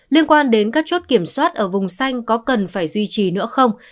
liên quan đến các chốt kiểm soát ở vùng xanh có cần phải duy trì nữa không